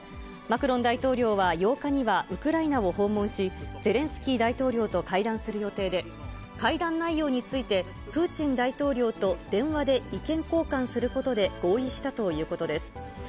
マクロン大統領は、８日にはウクライナを訪問し、ゼレンスキー大統領と会談する予定で、会談内容についてプーチン大統領と電話で意見交換することで合意したということです。